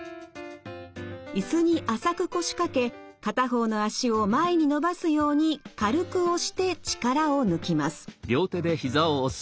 椅子に浅く腰掛け片方の脚を前に伸ばすように軽く押して力を抜きます。